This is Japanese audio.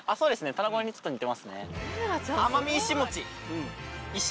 タナゴにちょっと似てますね。